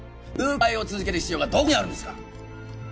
誘拐を続ける必要がどこにあるんですか？